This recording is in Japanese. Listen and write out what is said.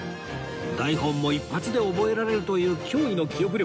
台本も一発で覚えられるという驚異の記憶力